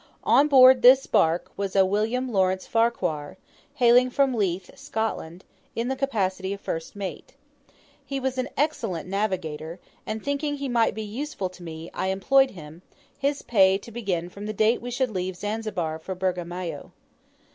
On board this barque was a William Lawrence Farquhar hailing from Leith, Scotland in the capacity of first mate. He was an excellent navigator, and thinking he might be useful to me, I employed him; his pay to begin from the date we should leave Zanzibar for Bagamoyo.